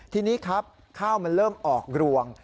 ทีนี้ครับข้าวมันเริ่มออกรวง